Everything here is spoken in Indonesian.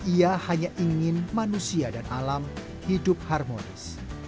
ia hanya ingin manusia dan alam hidup harmonis